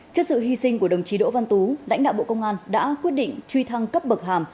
trước sự hy sinh của đồng chí đỗ văn tú lãnh đạo bộ công an đã quyết định truy thăng cấp bậc hàm